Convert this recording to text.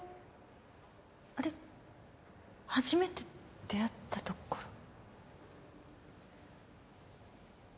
初めて出会ったところ。